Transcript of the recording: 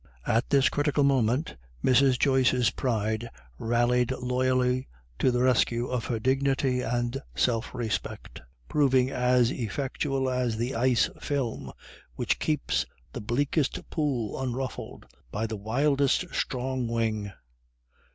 At this critical moment Mrs. Joyce's pride rallied loyally to the rescue of her dignity and self respect, proving as effectual as the ice film which keeps the bleakest pool unruffled by the wildest storm wing.